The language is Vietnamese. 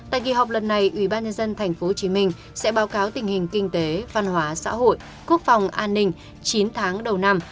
tại kỳ họp lần này ubnd tp hcm sẽ báo cáo tình hình kinh tế văn hóa xã hội quốc phòng an ninh chín tháng đầu năm